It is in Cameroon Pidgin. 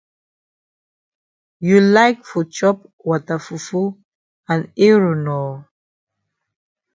You like for chop wata fufu and eru nor?